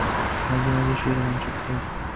মাঝে মাঝে সে এরকম চুপ করে যায়।